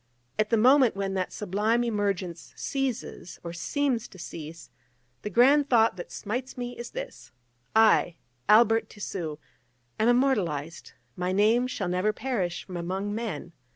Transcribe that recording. At the moment when that sublime emergence ceases, or seems to cease, the grand thought that smites me is this: "I, Albert Tissu, am immortalised: my name shall never perish from among men!"